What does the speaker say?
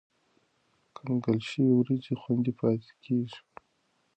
کنګل شوې وریجې خوندي پاتې کېږي.